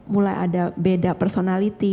mulai ada beda personality